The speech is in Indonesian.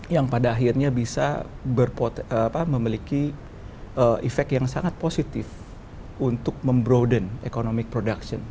yang pada akhirnya bisa memiliki efek yang sangat positif untuk membroden economic production